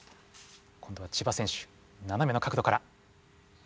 今度は千葉選手ななめの角度から。